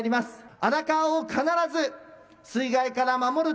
荒川を必ず水害から守る。